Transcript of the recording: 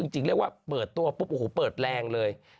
จริงเรียกว่าเปิดตัวปุ๊บโอ้โหเปิดแรงเลย